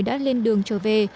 đã lên đường trở về